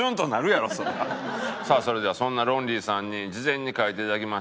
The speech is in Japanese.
さあそれではそんなロンリーさんに事前に書いていただきました